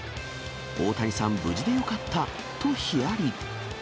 大谷さん、無事でよかったとひやり。